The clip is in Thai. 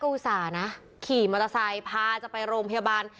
อุตส่าห์นะขี่มอเตอร์ไซค์พาจะไปโรงพยาบาล